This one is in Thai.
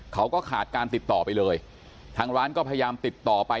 เขาก็ขาดการติดต่อไปเลยทางร้านก็พยายามติดต่อไป